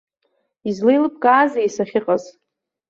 Излеилыбкаазеи сахьыҟаз?